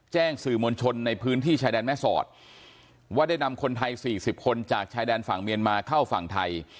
แจ้งสื่อมวลชนในพื้นที่ชายแดนแม่สอดว่าได้นำคนไทย๔๐คนจากชายแดนฝั่งเมียนมาเข้าฝั่งไทย